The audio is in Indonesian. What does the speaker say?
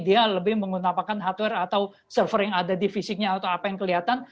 dia lebih menggunakan hardware atau server yang ada di fisiknya atau apa yang kelihatan